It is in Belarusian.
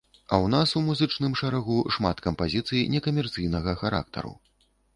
А ў нас у музычным шэрагу шмат кампазіцый некамерцыйнага характару.